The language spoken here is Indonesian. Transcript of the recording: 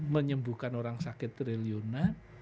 menyembuhkan orang sakit triliunan